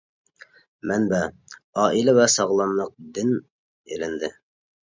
مەنبە : «ئائىلە ۋە ساغلاملىق» دىن ئېلىندى.